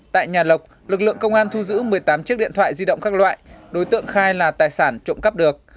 tại nhà lộc lực lượng công an thu giữ một mươi tám chiếc điện thoại di động các loại đối tượng khai là tài sản trộm cắp được